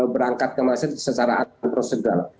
menghasilkan secara antrosedural